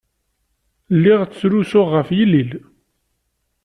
Lliɣ ttrusuɣ ɣef yilel.